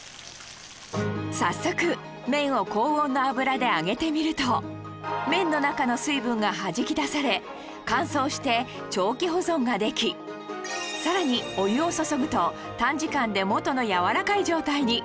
早速麺を高温の油で揚げてみると麺の中の水分がはじき出され乾燥して長期保存ができさらにお湯を注ぐと短時間で元のやわらかい状態に！